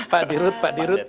pak dirut pak dirut